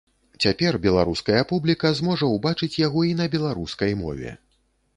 Цяпер беларуская публіка зможа ўбачыць яго і на беларускай мове.